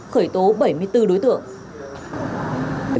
khởi tố bảy mươi bốn đối tượng